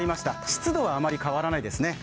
湿度はあまり変わらないですね。